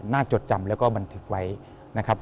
จดจำแล้วก็บันทึกไว้นะครับ